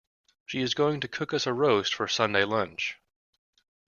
She is going to cook us a roast for Sunday lunch